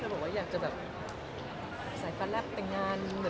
เขาบอกว่าอยากจะแบบใส่ประแลปแต่งงาน